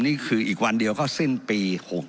นี่คืออีกวันเดียวก็สิ้นปี๖๖